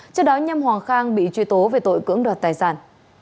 trước đó nhâm hoàng khang bị truy tố về tội cưỡng đoạt tài sản